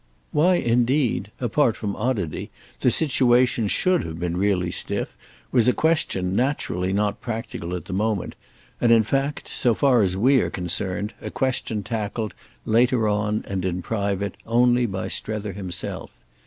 Why indeed—apart from oddity—the situation should have been really stiff was a question naturally not practical at the moment, and in fact, so far as we are concerned, a question tackled, later on and in private, only by Strether himself.